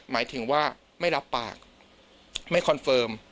หมายถึงว่าไม่รับปากไม่คอนเฟิร์ม